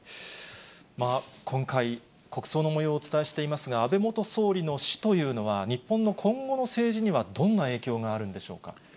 今回、国葬のもようをお伝えしていますが、安倍元総理の死というのは、日本の今後の政治にはどんな影響があるんでしょうか。